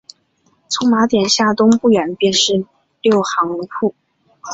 从马甸向东不远便是六铺炕。